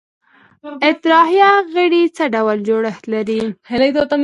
اطراحیه غړي څه ډول جوړښت لري؟